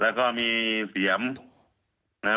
แล้วก็มีเสียม